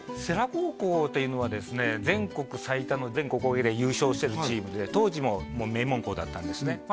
世羅高校というのはですね全国最多の全国高校駅伝で優勝してるチームで当時も名門校だったんですね